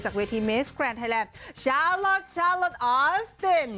เวทีเมสแกรนไทยแลนด์ชาลอทชาลอทออสเตน